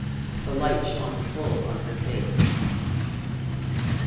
The light shone full on her face.